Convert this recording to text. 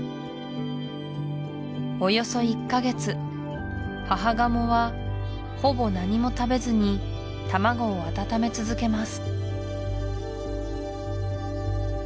およそ１カ月母ガモはほぼ何も食べずに卵を温め続けます